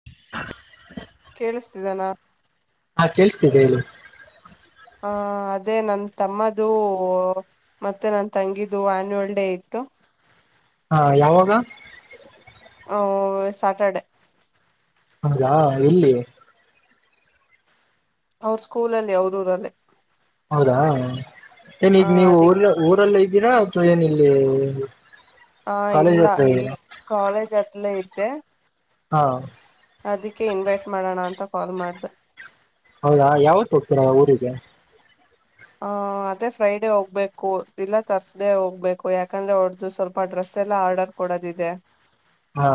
[inaudible] ಕೇಳ್ಸ್ತಿದೆನಾ ಹಾ ಕೇಳ್ಸ್ತಿದೆ ಹೇಳಿ ಹಾ ಅದೇ ನನ್ ತಮ್ಮದು ಮತ್ತೆ ನನ್ ತಂಗಿದೂ ಆನ್ಯುವಲ್ ಡೇ ಇತ್ತು. ಹಾ ಯಾವಾಗ ಹಾಂ ಸಾಟರ್ಡೆ ಹೌದಾ ಎಲ್ಲಿ ಅವ್ರ ಸ್ಕೂಲಲ್ಲಿ ಅವ್ರ ಊರಲ್ಲಿ ಹೌದಾ ಏನ ಹ ಈಗ್ ನೀವು ಅದಿಕ್ ಊರ್ ಊರಲ್ಲ ಇದ್ದೀರಾ ಅಥವಾ ಏನ ಇಲ್ಲಿ ಹಾ ಕಾಲೇಜ್ ಇಲ್ಲಾ ಹತ್ರ ಇದ್ದೀರಾ ಇಲ್ಲಿ ಕಾಲೇಜ್ ಅಲ್ಲೇ ಇದ್ದೆ ಹಾ. ಅದಿಕ್ಕೆ ಇನ್ವೈಟ್ ಮಾಡೋಣ ಅಂತ ಕಾಲ್ ಮಾಡ್ದೆ ಹೌದಾ ಯಾವತ್ತ್ ಹೊಗ್ತೀರಾ ಊರಿಗೆ ಹ ಅದೇ ಫ್ರೈಡೇ ಹೋಗ್ಬೇಕು ಇಲ್ಲ ತರ್ಸ್ಡೇ ಹೋಗ್ಬೇಕು ಯಾಕಂದ್ರೆ ಅವ್ರದು ಸ್ವಲ್ಪ ಡ್ರೆಸ್ ಎಲ್ಲ ಆರ್ಡರ್ ಕೊಡದಿದೆ ಹಾ.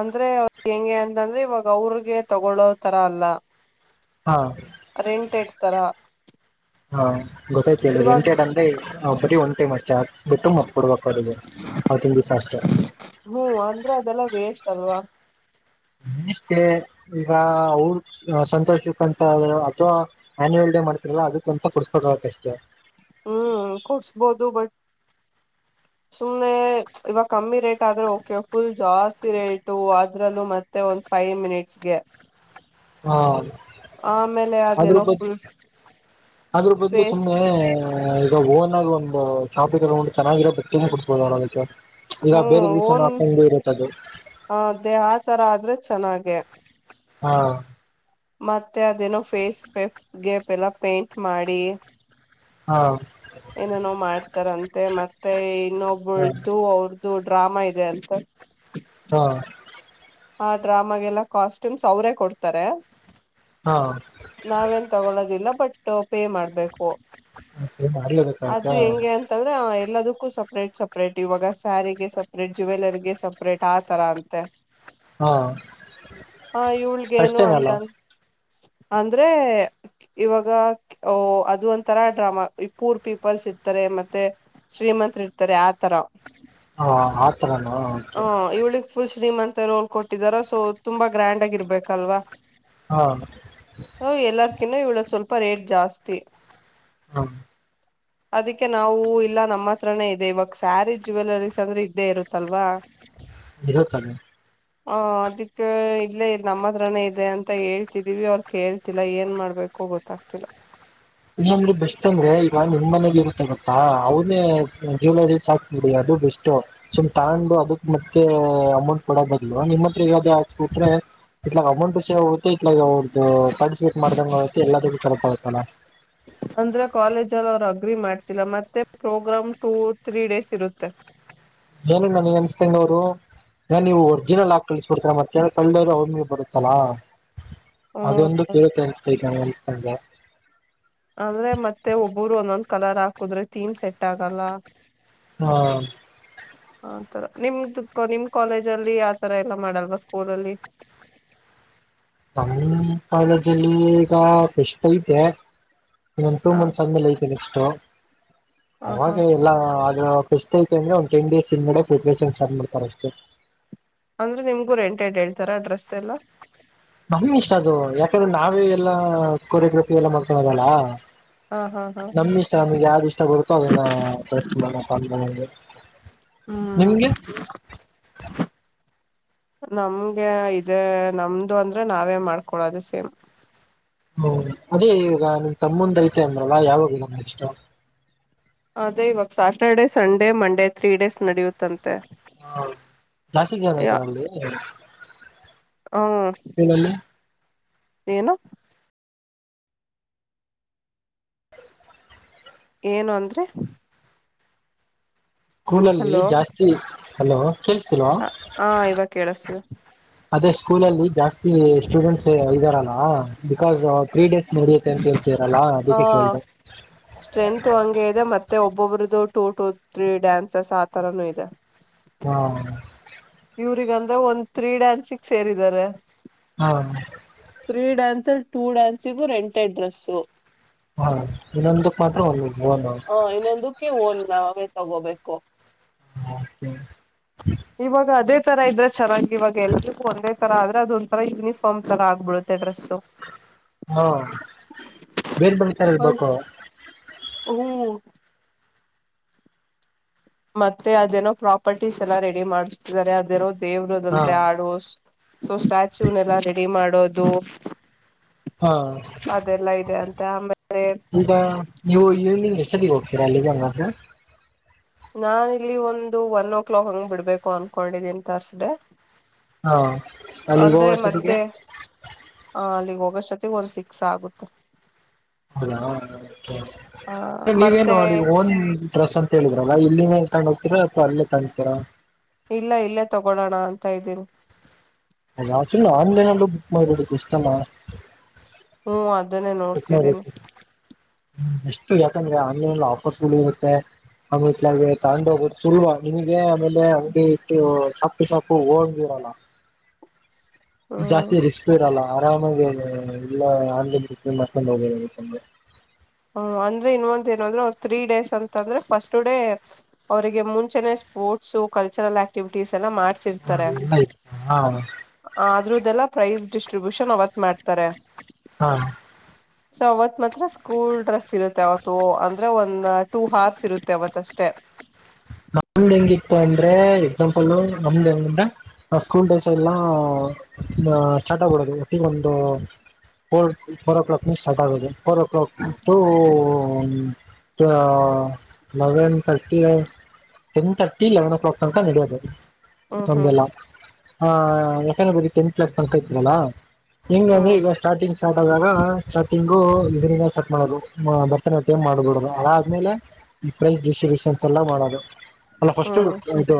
ಅಂದ್ರೆ [unintelligible] ಹೆಂಗೆ ಅಂತಂದ್ರೆ ಇವಾಗ ಅವ್ರಗೆ ತಗೊಳ್ಳೋ ತರಾ ಅಲ್ಲಾ ಹಾ ರೆಂಟೆಡ್ ತರಾ ಹಾ ಗೊತ್ತಾಯ್ತ ಹೇಳ ಇವಾಗ ನ ಬರೀ ಒಂದು ಟೈಮ್ ಅಷ್ಟೇ ಹಾಕ್ಬಿಟ್ಟು ಮತ್ ಕೊಡ್ಬೇಕ ಅವ್ರಿಗೆ ಅವತ್ತಿನ ದಿವಸಾ ಅಷ್ಟೆ ಹ್ಮೂ ಅಂದ್ರೆ ಅದೆಲ್ಲ ವೇಸ್ಟ್ ಅಲ್ವಾ [unintelligible] ಈಗ ಅವರು ಸಂತೋಷ [unintelligible] ಅಥವಾ ಆನ್ಯವಲ್ ಡೇ ಮಾಡ್ತಿರಲ್ಲ ಅದಕ್ಕ ಅಂತ ಕೊಡಸ್ಬೇಕಾಗತ್ತೆ ಅಷ್ಟೇ ಹ್ಮ್ ಕೊಡ್ಸ್ಬೋದು ಬಟ್ ಸುಮ್ನೇ ಇವಾಗ ಕಮ್ಮಿ ರೇಟ್ ಆದ್ರೆ ಓಕೆ ಫುಲ್ ಜಾಸ್ತಿ ರೇಟ್ ಟೂ ಅದ್ರಲ್ಲೂ ಮತ್ತೆ ಒಂದ್ ಫೈವ್ ಮಿನಿಟ್ಸ್ಗೆ ಹಾ ಆಮೇಲೆ ಅದ್ರ ಅದೇನೋ ಬದ್ಲೂ ಫುಲ್ ಅದ್ರ ಬದ್ಲು ಫೇಸ್ ಸುಮ್ನೇ ಆ ಈಗ ಓವನ್ನಾಗಿ ಒಂದು ಚಾಪೆ ತಗೊಂಡ್ ಚೆನ್ನಾಗಿರೋ ಬೊಕ್ಕೆ ಕೊಡ್ಸಬುಡೊಣ ಅದಕ್ಕೆ ಈಗ ಬೇರೆ ದಿವಸನ ಹಾಕೊಂಡು ಇರುತ್ತ ಅದು ಹಾ ಅದೇ ಆ ತರ ಆದ್ರೆ ಚೆನ್ನಾಗೆ ಹಾ. ಮತ್ತೆ ಅದೇನೋ ಫೇಸ್ ಪೆಪ್ಗೆಪ್ ಎಲ್ಲ ಪೇಂಟ್ ಮಾಡಿ ಹಾ. ಏನೇನೋ ಮಾಡ್ತಾರಂತೆ ಮತ್ತೆ ಹಾ ಇನ್ನೊಬಳ್ದು ಅವ್ರದು ಡ್ರಾಮಾ ಇದೆ ಅಂತೆ ಹಾ. ಆ ಡ್ರಾಮಾಗೆಲ್ಲಾ ಕಾಸ್ಟ್ಯೂಮ್ಸ್ ಅವ್ರೇ ಕೊಡ್ತಾರೆ ಹಾ. ನಾವೇನ್ ತಗೊಳೋದಿಲ್ಲ ಬಟ್ ಪೇ ಮಾಡ್ಬೇಕು ಅದು ಮಾಡ್ಲೇಬೇಕಾಯ್ತಾ ಹೆಂಗೆ ಅಂತ [unintelligible] ಎಲ್ಲದಕ್ಕೂ ಸಪ್ರೇಟ್ ಸಪ್ರೇಟ್ ಇವಾಗ ಸ್ಯಾರಿಗೆ ಸಪ್ರೇಟ್, ಜುವೆಲರ್ ಗೆ ಸಪ್ರೇಟ್ ಆತರ ಅಂತೆ. ಹಾ ಅ ಫಸ್ಟ್ ಇವಳ್ಗೇನು ಟೈಮ್ ಅಂತ ಅಲ್ಲ ಅಂದ್ರೆ ಇವಾಗ ಕೆ ಓ ಅದು ಒಂತರ ಡ್ರಾಮಾ ಪೂರ್ ಪೀಪಲ್ಸ್ ಇರ್ತಾರೆ ಮತ್ತೆ ಶ್ರೀಮಂತ್ರ ಇರ್ತಾರೆ ಆತರ ಹಾ ಆತರನ ಅ ಓಕೆ ಇವ್ಳಿಗ್ ಫುಲ್ ಶ್ರೀಮಂತ ರೋಲ್ ಕೊಟ್ಟಿದಾರ ಸೊ ತುಂಬಾ ಗ್ರ್ಯಾಂಡ್ ಆಗಿ ಇರ್ಬೇಕಲ್ವಾ. ಹಾ ಅ ಎಲ್ಲಕ್ಕಿನ್ ಇವಳ ಸ್ವಲ್ಪ ರೇಟ್ ಜಾಸ್ತಿ. ಹಾ ಅದಕ್ಕೆ ನಾವು ಇಲ್ಲ ನಮ್ಮ ಹತ್ರನೇ ಇದೆ ಇವಾಗ ಸ್ಯಾರಿ ಜುವೆಲರೀಸ್ ಅಂದ್ರೆ ಇದ್ದೇ ಇರುತ್ತಲ್ವಾ. ಇರುತ್ತ್ [unintelligible] ಅ ಅದಕ್ಕೆ ಇಲ್ಲೇ ನಮ್ಮ ಹತ್ರಾನೇ ಇದೆ ಅಂತ ಹೇಳ್ತಿದೀವಿ ಅವ್ರ ಕೇಳ್ತಿಲ್ಲ ಏನ್ ಮಾಡ್ಬೇಕು ಕು ಗೊತ್ತಾಗ್ತಿಲ್ಲ. ಇನ್ನೊಂದ್ರೆ ಬೆಸ್ಟ್ ಅಂದ್ರೆ ಈಗ ನಿಮ್ಮ್ ಮನೇಲಿ ಇರುತ್ತೆ ಗೊತ್ತಾ ಅವನೇ ಜ್ಯುವಲರಿಸ್ ಹಾಕ್ಬಿಡಿ ಅದು ಬೆಸ್ಟು. [unintelligible] ಅಮೌಂಟ್ ಕೊಡೋ ಬದ್ಲು ನಿಮ್ಮ ಹತ್ರ ಇರೋದ್ [unintelligible] ಇಟ್ಲಾಗ ಅಮೌಂಟ್ ಸೇವ್ ಆಗುತ್ತೆ ಇಟ್ಲಾಗ್ ಅವ್ರದ್ದ ಪಾರ್ಟಿಸಿಪೇಟ್ ಮಾಡ್ದಂಗ ಆಗುತ್ತೆ ಎಲ್ಲದಕ್ಕೂ ಕರೆಕ್ಟ್ ಆಗುತ್ತಲ್ಲ. ಅಂದ್ರೆ ಕಾಲೇಜ ಅಲ್ಲಿ ಅವರು ಅಗ್ರಿ ಮಾಡ್ತಿಲ್ಲ ಮತ್ತೆ ಪ್ರೋಗ್ರಾಮ್ ಟೂ, ತ್ರೀ ಡೇಸ್ ಇರುತ್ತೆ. ಏನು ನನಗೆ ಅನಿಸ್ತಾ ಇರೋದು. ನನ್ನ್ ನೀವು ಒರ್ಜಿನಲ್ ಹಾಕ್ ಕಳಿಸ್ಬಿಡ್ತರ ಮತ್ತೆ ಏನ್ ಕಳ್ಳರು [unintelligible] ಬರುತ್ತಲ್ಲಾ. ಅದೊಂದು ಹ್ಮ್ [unintelligible] ನಂಗ್ ಅನಿಸಿದಂಗೆ. ಅಂದ್ರೆ ಮತ್ತೆ ಒಬ್ಬರು ಒಂದೊಂದ್ ಕಲರ್ ಹಾಕುದ್ರೆ ಥೀಮ್ ಸೆಟ್ ಆಗಲ್ಲ. ಹಾ ಆ ತರ ನಿಮ್ದು ನಿಮ್ ಕಾಲೇಜ ಅಲ್ಲಿ ಆತರ ಎಲ್ಲಾ ಮಾಡಲ್ವಾ ಸ್ಕೂಲ ಅಲ್ಲಿ. ನಮ್ಮ ಕಾಲೇಜಲ್ಲಿ ಈಗ ಫೆಸ್ಟ್ ಐತೆ ಇನ್ ಟೂ ಹ ಮಂತ್ಸ್ ಆದ್ಮೇಲೆ ಐತಿ. ಫೇಸ್ಟು ಹ ಹಾ ಅವಾಗ್ ಹೇಳ್ ಎಲ್ಲ ಅದು ಫೇಸ್ಟ್ ಅಯ್ತಿ ಅಂದ್ರೆ ಒಂದು ಟನ್ ಡೇಸ್ ಹಿಂದಗಡೆ ಪ್ರಿಪರೇಷನ್ ಸ್ಟಾರ್ಟ್ ಮಾಡ್ತಾರೆ ಅಷ್ಟೆ. ಅಂದ್ರೆ ನಿಮ್ಗೂ ರೆಂಟೆಡ್ ಹೇಳ್ತಾರ ಡ್ರೆಸ್ ಎಲ್ಲ. ನಮ್ಮ್ ಇಷ್ಟ ಅದು ಯಾಕಂದ್ರೆ ನಾವೇ ಎಲ್ಲಾ ಕೊರಿಯೋಗ್ರಫಿ ಎಲ್ಲ ಮಾಡ್ಕೊದಲ್ಲಾ. ಹಾ ಹಾ ಹಾ. [unintelligible] ಯಾವ್ದು ಇಷ್ಟ ಬರುತ್ತೋ ಅದನ್ನ [unintelligible] ಹ್ಮ್ ನಿಮ್ಗೆ [inaudible] ನಮ್ಗೆ ಇದೇ ನಮ್ದು ಅಂದ್ರೆ ನಾವೇ ಮಾಡ್ಕೊಳೋದು ಸೇಮ್. ಹ್ಮು ಅದೇ ಈವಗ ನಿಮ್ ತಮ್ಮಂದ ಐತೆ ಅಂದ್ರಲ್ಲ ಯಾವಾಗಿದೆ ನೆಕ್ಸ್ಟ್. ಅದೇ ಇವಾಗ Saturday, Sunday, Monday three days ನಡೆಯುತ್ತಂತೆ. ಹಾ ಜಾಸ್ತಿ ಜನ [unintelligible] ಅ ಊ. ನಿಮ್ಮಲ್ಲಿ ಏನು ಏನು ಅಂದ್ರಿ. ಸ್ಕೂಲ್ ಅಲ್ಲಿ ಹಲೋ ಜಾಸ್ತಿ ಹಲೋ ಕೇಳಸ್ತಿಲ್ವಾ. ಹ ಇವಾಗ ಕೇಳಿಸ್ತಿದೆ ಅದೇ ಸ್ಕೂಲ ಅಲ್ಲಿ ಜಾಸ್ತಿ ಸ್ಟೂಡೆಂಟ್ಸ್ ಇದ್ದಾರಲ್ಲ ಬಿಕಾಸ್ ತ್ರೀ ಡೇಸ್ ನಡಿಯತ್ತೆ ಅಂತ ಹೇಳ್ತಿರಲ್ಲಾ ಅದಕ್ಕೆ ಕೇಳ್ದೆ. ಸ್ಟ್ರೆಂತು ಹಂಗೆ ಇದೆ ಮತ್ತೆ ಒಬ್ಬೊಬ್ರದು ಟು, ಟು, ತ್ರೀ ಡ್ಯಾನ್ಸ್ಸ್ ಆ ತರನು ಇದೆ. ಹಾ ಇವ್ರಗ ಅಂದ್ರೆ ಒಂದ್ ತ್ರೀ ಡ್ಯಾನ್ಸಿಗೆ ಸೇರಿದ್ದಾರೆ. ಹೌದು ತ್ರೀ ಡ್ಯಾನ್ಸ್ ಟೂ ಡ್ಯಾನ್ಸಿಗು ರೆಂಟೆ ಡ್ರೆಸ್ಸು. ಹಾ ಇನ್ನೊಂದಕ್ ಮಾತ್ರ ಒ ಬೋನ್. ಹಾ ಇನ್ನೊಂದು ಕ್ಕೆ ಒಂದ್ ನಾವೇ ತಗೋಬೇಕು. ಹಾ ಸ ಇವಾಗ ಅದೇ ತರ ಇದ್ರೆ ಚೆನ್ನಾಗಿ ಇವಾಗ ಎಲ್ರಿಗೂ ಒಂದೇ ತರ ಆದ್ರೆ ಅದೊಂತರ ಯೂನಿಫಾರ್ಮ್ ತರ ಆಗ್ಬಿಡುತ್ತ ತ್ತೆ ಡ್ರೆಸ್ಸು. ಹಾ ಬೇರ್ ಬೇರೆ ತರ ಇರಬೇಕು. ಹ್ಮ್ ಮತ್ತೆ ಅದೇನೋ ಪ್ರಾಪರ್ಟೀಸ್ ಎಲ್ಲಾ ರೆಡಿ ಮಾಡಸ್ತಿದ್ದಾರೆ ಅದೇನೋ ಹಾ ದೇವ್ರದಂತೆ ಆಡೋ ಸೊ ಸ್ಟಾಚೂನೆಲ್ಲಾ ರೆಡಿ ಮಾಡೋದು. ಹಾ ಅದೆಲ್ಲಾ ಇದೆ ಅಂತೆ ಆಮೇಲೆ ಈಗ ನೀವು ಈವ್ನಿಂಗ್ ಎಷ್ಟೊತ್ತಿಗೆ ಹೋಗ್ತೀರಾ ಅಲ್ಲಿಗೆ ಅಂಗಾದ್ರೆ. ನಾ ಇಲ್ಲಿ ಒಂದು ಒನ್ ಓ ಕ್ಲಾಕ್ ಹಂಗ್ ಬಿಡ್ಬೇಕು ಅನ್ಕೊಂಡಿದೀನ್ ತರ್ಸ್ಡೇ. ಹಾ ಅಲ್ಲಿಗೆ ಹೋಗೋ ಅಂದ್ರೆ ಮತ್ತೆ ಅಷ್ಟೊತ್ತಿಗೆ ಆ ಅಲ್ಲಿಗ್ ಹೋಗೋಷ್ಟೊತ್ತಗ್ ಒಂದ್ ಸಿಕ್ಸ್ ಆಗುತ್ತೆ. ಹೌದಾ ಕೆ ಆ ನೀವೇನ್ ಮತ್ತೆ ನೋಡಿ ಒಂದ್ ಡ್ರೆಸ್ ಅಂತ ಹೇಳಿದ್ರಲ್ಲ ಇಲ್ಲಿದನೆ ತೊಂಡು ಹೋಗತೀರ ಅಥವಾ ಅಲ್ಲೇ ತಂಗ್ತೀರ. ಇಲ್ಲ ಇಲ್ಲೇ ತಗೊಳೋಣ ಅಂತ ಇದ್ದೀನಿ. ಅದಾಕ್ಚುಲಿ ಆನ್ಲೈನ್ ಅಲ್ಲೂ ಬುಕ್ ಮಾಡೋದಕ್ ಇಷ್ಟನಾ. ಹ್ಮ್ ಅದ್ ಬುಕ್ಮಾಡ್ಬುಡ್ತೀನಿ ಎಷ್ಟು ಯಾಕಂದ್ರೆ ಆನ್ಲೈನ್ ಆಫರ್ಸ್ಗಳು ಇರುತ್ತೆ. ಆಮಿತ್ಲೆ ತಗಂಡು ಹೋಗೋದು ಸುಲಭ ನಿಮಗೆ ಆಮೇಲೆ [unintelligible] ಇಟ್ಟು ಶಾಪ್ಪ್ ಟು ಶಾಪ್ಪು ಹೋಗಂಗಿರಲ್ಲ. ಹ [unintelligible] ಜಾಸ್ತಿ ರಿಸ್ಕ್ ಇರಲ್ಲ ಆರಾಮಾಗಿ ಎಲ್ಲ ಆಲೆ [unintelligible] ಮಾಡ್ಕೊಂಡು ಹೋಗ್ಬರಬೇಕ್ ಅಂಗೆ. ಹ್ಮ್ ಅಂದ್ರೆ ಇನ್ನೊಂದ ಒಂದ್ ಏನಂದ್ರೆ ಅವ್ರ ತ್ರೀ ಡೇಸ್ ಅಂತಂದ್ರೆ ಫಸ್ಟ್ ಡೇ ಅವ್ರರಿಗೆ ಮುಂಚೆನೆ ಸ್ಪೋರ್ಟ್ಸ್ ಕಲ್ಚರಲ್ ಆಕ್ಟಿವಿಟೀಸ್ ಎಲ್ಲ ಮಾಡ್ ಹಯ್ತ ಹಾ ಅದ್ರು ಇದೆಲ್ಲಾ ಪ್ರೈಸ್ ಡಿಸ್ಟ್ರಿಬ್ಯೂಷನ್ ಅವತ್ ಮಾಡ್ತಾರೆ. ಹಾ ಸೊ ಅವತ್ ಮಾತ್ರ ಸ್ಕೂಲ್ ಡ್ರೆಸ್ ಇರುತ್ತೆ ಅವತ್ತು ಅಂದ್ರೆ ಒಂದ ಟೂ ಹಾರ್ಸ್ ಇರುತ್ತೆ ಅವತ್ ಅಷ್ಟೆ. ನಮ್ದ ಹೆಂಗಿತ್ತು ಅಂದ್ರೆ ಎಕ್ಸಾಂಪಲ್ ನಮ್ದ್ ಹೆಂಗ ನ ಸ್ಕೂಲ್ ಡೇಸ್ ಎಲ್ಲಾ ಆ ಸ್ಟಾರ್ಟ್ ಆಗ್ಬಡೋದು ಹೊತ್ತಗೊಂದು ಫೋರ್ ಫೋರ್ ಓ ಕ್ಲಕ್ ನಿ ಸ್ಟಾಟ್ ಆಗೋಯಿದೆ. ಫೋರ್ ಓ ಕ್ಲಾಕ್ ಟೂ ಯ ಲೆವೆನ್ ತರ್ಟಿ ಐ ten thirty eleven o'clock ತನಕ ನಡೆಯದೆ ಹ್ಮ್ ಹ್ಮ್ ನಮ್ದೆಲ್ಲ. ಹಾ ಯಾಕಂದ್ರೆ ಬರಿ ಟೆಂತ್ ಕ್ಲಾಸ್ ತಂಕ ಇತ್ತಲ್ಲಾ ಹಿಂಗಾಗಿ ಹ್ಮ್ ಇವ ಸ್ಟಾರ್ಟಿಂಗ್ ಸ್ಟಾರ್ಟ್ ಆದಾಗ ಸ್ಟಾರ್ಟಿಂಗು ಇದರಿಂದ ಸ್ಟಟ್ ಮಾಡೋದ್ ಭರ್ತನಾಟ್ಯಮ ಮಾಡ್ಬಿಡೋದು ಅದಾದ್ಮೇಲೆ ಪ್ರೈಸ್ ಡಿಸ್ಟ್ರಿಬ್ಯೂಷನ್ಸ್ ಎಲ್ಲ ಮಾಡೋದು ಅಲ್ಲ ಫಸ್ಟ್ ಹ್ಮ್ ಇದು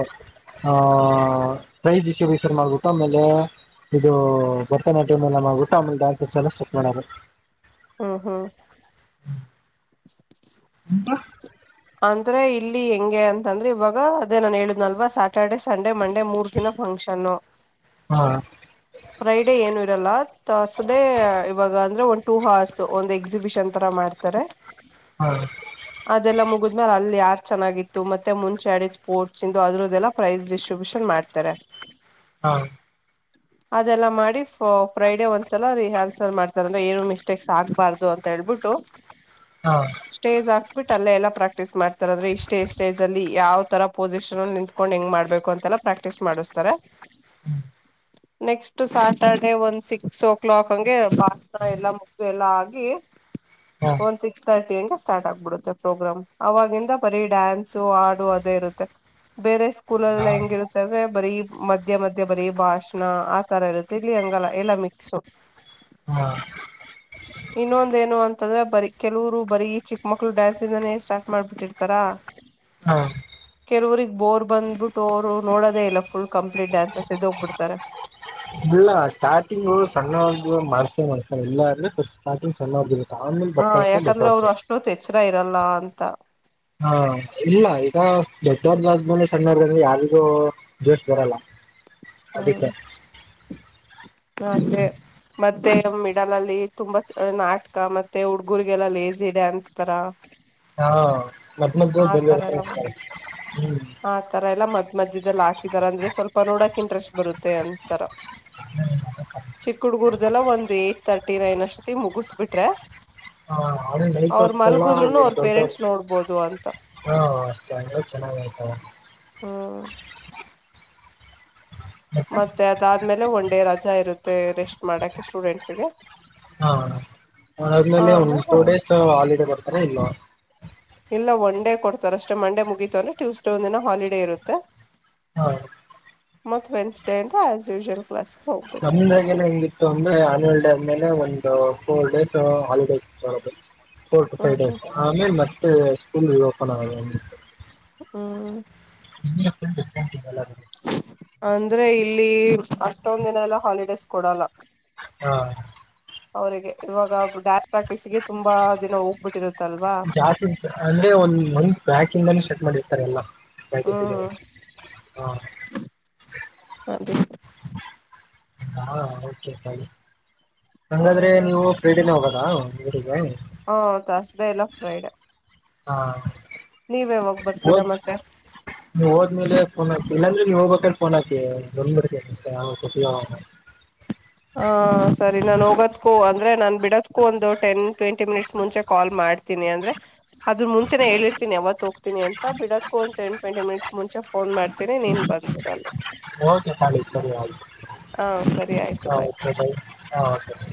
ಹ ಪ್ರೈಜ್ ಡಿಸ್ಟ್ರಿಬ್ಯೂಷನ್ ಮಾಡ್ಬಿಟ್ಟು ಆಮೇಲೆ ಇದು ಭರತನಾಟ್ಯಂ ಎಲ್ಲ ಮಾಡ್ಬುಟ್ಟು ಅಮೇಲ್ ಡಾನ್ಸಸ್ ಎಲ್ಲ ಸೆಟ್ ಮಾಡೋರು. ಹಾ ಹಾ ಎಂತಾ ಅಂದ್ರೆ ಇಲ್ಲಿ ಹೆಂಗೆ ಅಂತಂದ್ರೆ ಇವಾಗ ಅದೇ ನಾನನ್ ಹೇಳುದ್ನಲ್ವಾ ಸ್ಯಾಟರ್ಡೆೇ ಸಂಡೇ ಮಂಡೇ ಮೂರು ದಿನ ಫಂಕ್ಷನ್ನು ಹಾ [inaudible] ಫ್ರೈಡೇ ಏನು ಇರಲ್ಲ ತರ್ಸ್ಡೇ ಇವಾಗ ಅಂದ್ರೆ ಒಂದ್ ಟೂ ಹರ್ಸ್ ಒಂದ್ ಎಕ್ಸಿಬಿಷನ್ ತರ ಮಾಡ್ತಾರೆ. [inaudible] ಹಾ ಅದೆಲ್ಲ ಮುಗಿದ್ ಆದ್ಮೇಲೆ ಅಲ್ಲಿ ಯಾರ್ ಚೆನ್ನಾಗಿತ್ತು ಮತ್ತೆ ಮುಂಚೆ ಆಡಿದ ಸ್ಪೋರ್ಟ್ಸ್ ಇಂದು ಅದ್ರದ್ದದೆಲ್ಲ ಪ್ರೈಸ್ ಡಿಸ್ಟ್ರಿಬ್ಯೂಷನ್ ಮಾಡ್ತಾರೆ. [inaudible] ಹಾ [inaudible] ಅದೆಲ್ಲ ಮಾಡಿ ಫ ಫ್ರೈಡೆ ಒಂದ್ಸಲ ರಿಹರ್ಸಲ್ ಮಾಡ್ತಾರಾ ಅಂದ್ರೆ ಏನು ಮಿಸ್ಟೇಕ್ಸ್ ಆಗ್ಬಾರ್ದು ಅಂತ ಹೇಳ್ಬಿಟ್ಟು‌. [inaudible] ಹಾ ಸ್ಟೇಜ ಆಕ್ಬಿಟ್ಟ ಅಲ್ಲ ಎಲ್ಲಾ. ಪ್ರಾಕ್ಟೀಸ್ ಮಾಡ್ತಾರ ಅಂದ್ರೆ ಇಷ್ಟೇ ಸ್ಟೇಜ್ ಅಲ್ಲಿ ಯಾವ ತರ ಪೊಸಿಷನ್ ಅಲ್ಲಿ ನಿಂತ್ಕೊಂಡ್ ಹೆಂಗ ಮಾಡ್ಬೇಕು ಅಂತೆಲ್ಲ ಪ್ರಾಕ್ಟೀಸ್ ಮಾಡಿಸ್ತಾರೆ. [inaudible] ಹ್ಮ್ ನೆಕ್ಸ್ಟ್ ಸ್ಯಾಟರ್ಡೆೇ ಒಂದ್ ಸಿಕ್ಸ್ ಓ ಕ್ಲಾಕ್ ಹಂಗೆ ಬಾಷಣ ಎಲ್ಲ ಮುಗ್ದು ಎಲ್ಲಾ ಆಗಿ. ಹಾ ಸಿಕ್ಸ್ ತರ್ಟಿ ಅಂಗೆ ಸ್ಟಾರ್ಟ್ ಆಗ್ಬಿಡುತ್ತೆ ಪ್ರೋಗ್ರಾಮ್ ಅವಾಗಿಂದ ಬರೀ ಡ್ಯಾನ್ಸು ಹಾಡು ಅದೇ ಇರುತ್ತೆ. ಬೇರೆ ಸ್ಕೂಲ್ ಎಲ್ಲಾ ಹೆಂಗಿರುತ್ತ್ ಂದ್ರೆ ಬರೀ ಮಧ್ಯೆ ಮಧ್ಯೆ ಬರೀ ಭಾಷಣ ಆ ತರ ಇರುತ್ತೆ ಇಲ್ಲಿ ಹಂಗಲ್ಲ ಎಲ್ಲಾ ಮಿಕ್ಸ. ಹಾ ಇನ್ನೊಂದು ಏನು ಅಂತಂದ್ರೆ ಬರೀ ಕೆಲವರು ಬರೀ ಚಿಕ್ಕ ಮಕ್ಳ ಡ್ಯಾನ್ಸಿಂದಾನೇ ಸ್ಟಾರ್ಟ್ ಮಾಡ್ಬಿಟ್ಟಿರ್ತಾರ [inaudible] ಹಾ ಕೆಲವ್ರಗ್ ಬೋರ್ ಬಂದ್ಬಿಟ್ಟು ಅವರು ನೋಡೋದೆ ಇಲ್ಲ ಫುಲ್ ಕಂಪ್ಲೀಟ್ ಡ್ಯಾನ್ಸಸ್ ಎದೋಗ್ಬಿಡ್ತಾರೆ. ಇಲ್ಲ ಸ್ಟಾರ್ಟಿಂಗು ಸಣ್ಣವರ್ದು ಮಾಡ್ಸೆ ಮಾಡಿಸ್ತಾರೆ ಎಲ್ಲಾ ಅವರ್ದು ಸ್ಟಾರ್ಟಿಂಗ್ ಸಣ್ಣವರ್ದ್ ಇರುತ್ತೆ ಆಮೇಲ್ ಬತ್ತ ಬತ್ತ ದೊಡ್ಡವರದು ಎಚ್ರ ಇರಲ್ಲ ಅಂತಾ ಹಾ ಇಲ್ಲ ಈಗ ದೊಡ್ಡವರ್ದ ಆದ್ಮೇಲೆ ಸಣ್ಣಾವ್ರ್ದ್ ಅಂದ್ರೆ ಯಾರಿಗೂ. ಇಂಟರೆಸ್ಟ್ ಬರಲ್ಲ ಅದಕ್ಕೆ. ಹಂಗೆ ಮತ್ತೆ ಮಿಡಲ್ ಅಲ್ಲಿ ತುಂಬಾ ನಾಟಕ ಮತ್ತೆ ಹುಡ್ಗರ್ರಿಗೆಲ್ಲ ಲೇಸಿ ಡ್ಯಾನ್ಸ್ ತರ [inaudible] ಹಾ ಮದ್ ಮದ ಆ ತರ ಬೆತ ಎಲ್ಲ ಹ್ಮ್ [unintelligible] ಆ ತರ ಎಲ್ಲಾ ಮದ್ ಮದ್ಯಾದಲ್ ಹಾಕಿದಾರೆ ಅಂದ್ರೆ ಸ್ವಲ್ಪ ನೋಡಕ್ ಇಂಟ್ರೆಸ್ಟ್ ಬರುತ್ತೆ ಅಂತರ ಚಿಕ್ಕುಡ್ಗುರ್ದೆಲ್ಲ ಒಂದ ಏಟ್ ತರ್ಟಿ ನೈನ್ ಅಷ್ಟತಿ ಮುಗಿಸಬಿಟ್ರೆ ಹ ಅವ್ರ ಅವ್ರ ಮಲ್ಗುದ್ರುನು ನೈಟ್ಲ್ಲ ಅವ್ರ ದೊಡ್ಡ ಪೇರೆಂಟ್ಸ್ ನೋಡ್ಬೋದು ಅಂತ ಹಾ ಅಷ್ಟೇ ಅಂಗ ಚೆನ್ನಾಗಯ್ತವೆ ಹ್ಮ ಮತ್ತೆ ಅದಾದ್ಮೇಲೆ ಒನ್ ಡೇ ರಜಾ ಇರುತ್ತೆ ರೆಸ್ಟ್ ಮಾಡಕ ಸ್ಟೂಡೆಂಟ್ಸ್ ಗೆ ಹಾ ಅದಾದ್ಮೇಲೆ ಒಂದ್ ಆಮೇಲೆ ಟೂ ಡೇಸ್ ಹಾಲಿಡೇ ಬರ್ತಾರೆ ಇಲ್ಲವ ಇಲ್ಲ ಒನ್ ಡೇ ಕೊಡ್ತಾರ್ ಅಷ್ಟೇ ಮಂಡೇ ಮುಗೀಿತು ಅಂದ್ರೆ ಟ್ಯೂಸ್ಡೇ ಒಂದ ದಿನ ಹಾಲಿಡೇ ಇರುತ್ತೆ ಹ ಮತ್ತ ವೆನ್ಸ್ಡೇ ಇಂದ ಅಸುಶುಯಲ್ ಕ್ಲಾಸ್ ನಮಾಗನ ಹೆಂಗಿತ್ತು ೊಂದ್ರೆ ಆನ್ಯಲ್ ಡೇ ಆದ್ಮೇಲೆ ಒಂದು ಫೋರ್ ಡೇಸ್ ಹಾಲಿಡೇ ಬರದು four to five hmm hmm days ಆಮೇಲೆ ಮತ್ತೆ ಸ್ಕೂಲ್ ರಿ ಓಪನ್ ಆಗ ಹ್ಮ ಡಿಫ್ರಂಟ್ ಡಿಫರೆಂಟ್ದೆಲ್ಲ [unintelligible] ಅಂದ್ರೆ ಇಲ್ಲಿ ಅಷ್ಟೊಂದ ದಿನ ಎಲ್ಲಾ ಹಾಲಿಡೇಸ್ ಕೊಡಲ್ಲ ಹಾ ಅವರಿಗೆ ಇವಾಗ ಡ್ಯಾನ್ಸ್ ಪ್ರಾಕ್ಟೀಸ್ಗೆ ತುಂಬಾ ದಿನ ಹೋಗ ಬಿಟ್ಟಿರುತ್ತಲ್ಲ ಜಾಸ್ತಿ ಇ ಅಂದ್ರೆ ಒಂದ ಮಂತ್ ಬ್ಯಾಕ್ ಇಂದಾನ ಸ್ಟಾರ್ಟ್ ಮಾಡಿರ್ತಾರೆ ಎಲ್ಲ ಪ್ರಾಕ್ಟೀಸ್ ಗೆಲ್ಲ ಹ್ಮ್ ಹಾ ಅದೇ ಹಾ ಓಕೆ ಫೈನ್ ಹ ಹಂಗ್ ಅದ್ರೆ ನೀವು ಫ್ರೈಡೆನೆ ಹೋಗೋದಾ ಉರಿಗೆ ಹ ತಸ್ಡೇ ಇಲ್ಲಾ ಫ್ರೈಡೆೇ ಹಾ ನೀವ್ ಯಾವಾಗ್ ಬರ್ತೀರಾ ಮತ್ತೆ ನೀ ಹೋದ್ಮೇಲೆ ಫೋನ್ ಹಾಕಿ ಇಲ್ಲಾಂದ್ರೆ ನೀವ ಹೋಗ್ಬೇಕಾದ್ರೆ ಫೋನ್ ಹಾಕಿ ಬಂದ್ಬಿಡ್ತಿನಿ ಹ ಸರಿ ನಾನ್ ಹೋಗೋದಕೂ ಅಂದ್ರೆ ನಾನ್ ಬಿಡೋದಕ್ಕೂ ಒಂದು ಟೆನ್ ಟ್ವೆಂಟಿ ಮಿನಿಟ್ಸ್ ಮುಂಚೆ ಕಾಲ್ ಮಾಡ್ತಿ ತಿನಿ ಅಂದ್ರೆ ಅದ್ರ ಮುಂಚೆ ಹೇಳಿರ್ತನಿ ಯಾವತ್ ಹೋಗ್ತನಿ ಅಂತ ಬಿಡಕ ಒಂದು ಟೆನ್ ಟ್ವೆಂಟಿ ಮಿನಿಟ್ಸ್ ಮುಂಚೆ ಫೋನ್ ಮಾಡ್ತೀನಿ ನೀನ್ ಬಂದಿರಲ್ಲೆ ಓಕೆ ತಾಲಿ ಸರಿ ಅಯ್ತು ಹಾ ಸರಿ ಆಯ್ತು ಬಾಯ್. [unintelligible] ಹ